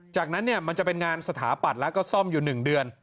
จากนั้นเนี้ยมันจะเป็นงานสถาปัติแล้วก็ซ่อมอยู่หนึ่งเดือน